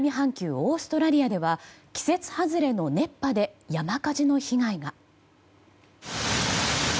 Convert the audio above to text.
オーストラリアでは季節外れの熱波で山火事の被害が。